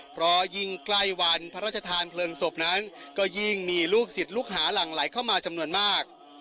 เพราะยิ่งใกล้วันพระราชทานเพลิงศพนั้นก็ยิ่งมีลูกศิษย์ลูกหาหลั่งไหลเข้ามาจำนวนมาก